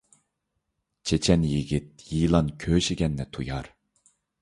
چېچەن يىگىت يىلان كۆشىگەننى تۇيار